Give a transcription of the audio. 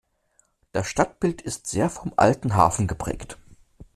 Das Stadtbild ist sehr vom alten Hafen geprägt.